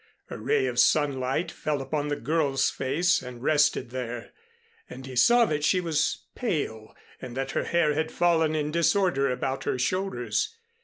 A ray of sunlight fell upon the girl's face and rested there; and he saw that she was pale and that her hair had fallen in disorder about her shoulders.